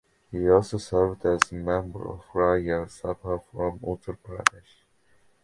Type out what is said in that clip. He also served as the member of Rajya Sabha from Uttar Pradesh.